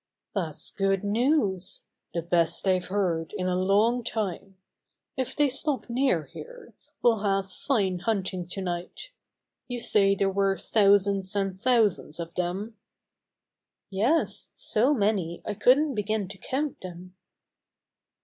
"That's good news — the best I've heard in a long time. If they stop near here, we'll have fine hunting tonight. You say there were thousands and thousands of them?" "Yes, so many I couldn't begin to count them."